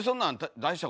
大丈夫。